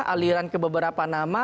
aliran ke beberapa nama